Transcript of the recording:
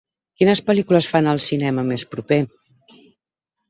Quines pel·lícules fan al cinema més proper